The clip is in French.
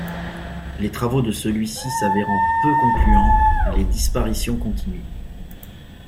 Les travaux de celui-ci s’avérant peu concluants, les disparitions continuent.